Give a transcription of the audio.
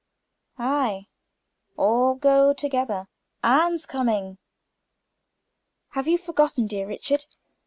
"Aye, all go together. Anne's coming?" "Have you forgotten, dear Richard?